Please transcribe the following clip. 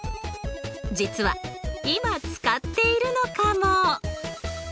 実は今使っているのかも。